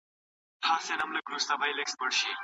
که تاسي په فوټبال کې ګول وکړی نو خپل ټیم ته بریا ورکوئ.